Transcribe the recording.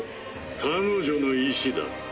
彼女の意志だ。